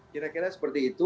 kira kira seperti itu